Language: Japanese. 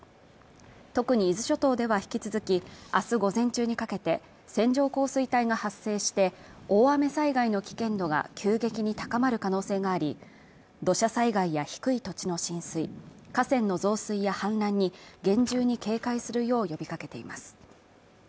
特に伊豆諸島では引き続きあす午前中にかけて線状降水帯が発生して大雨災害の危険度が急激に高まる可能性があり土砂災害や低い土地の浸水河川の増水や氾濫に厳重に警戒するよう呼びかけています